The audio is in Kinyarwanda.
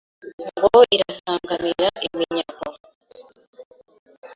Ngo irasanganira iminyago